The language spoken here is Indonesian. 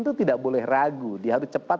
itu tidak boleh ragu dia harus cepat